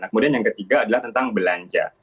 kemudian yang ketiga adalah tentang belanja